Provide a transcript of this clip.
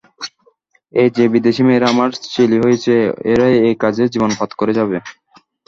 এই যে বিদেশী মেয়েরা আমার চেলী হয়েছে, এরাই এ-কাজে জীবনপাত করে যাবে।